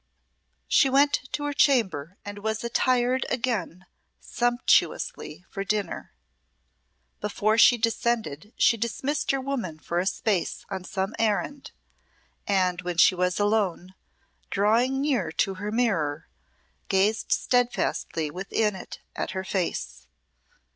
She went to her chamber and was attired again sumptuously for dinner. Before she descended she dismissed her woman for a space on some errand, and when she was alone, drawing near to her mirror, gazed steadfastly within it at her face.